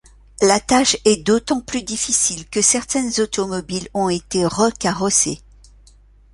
La tache est d'autant plus difficile que certaines automobiles ont été re-carrossées.